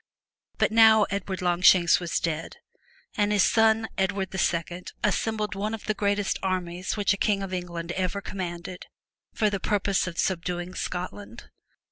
But now Edward Longshanks w^as dead and his son, Edward II assembled one of the greatest armies which a king of England ever commanded, for the purpose of subduing Scotland.